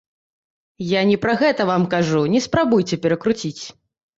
Я не пра гэта вам кажу, не спрабуйце перакруціць!